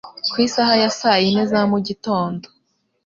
ku isaha ya saa yine za mugitondo,